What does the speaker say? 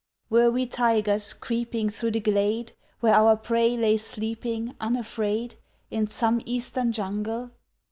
Were we tigers creeping Through the glade Where our prey lay sleeping, Unafraid, In some Eastern jungle?